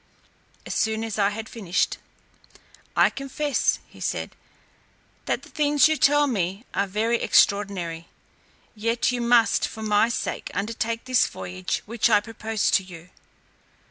As soon as I had finished, "I confess," said he, "that the things you tell me are very extraordinary, yet you must for my sake undertake this voyage which I propose to you.